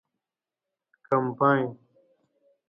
کمپاین